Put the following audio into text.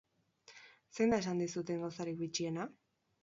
Zein da esan dizuten gauzarik bitxiena?